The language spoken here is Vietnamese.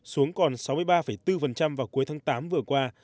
xuống còn sáu mươi ba bốn vào cuối tháng tám vừa qua